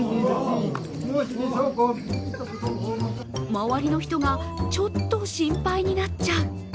周りの人がちょっと心配になっちゃう。